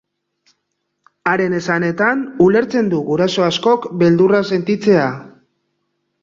Haren esanetan, ulertzen du guraso askok beldurra sentitzea.